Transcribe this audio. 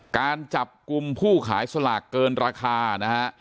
การจับกลุ่มผู้ขายสลากเกินราคานะฮะ